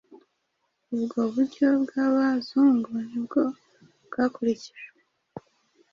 Ubwo buryo bw'Abazungu ni bwo bwakurikijwe